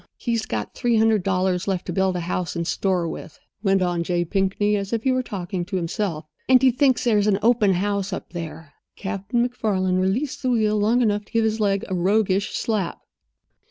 "He's got three hundred dollars left to build a house and store with," went on J. Pinkney, as if he were talking to himself. "And he thinks there's an open house up there." Captain MacFarland released the wheel long enough to give his leg a roguish slap.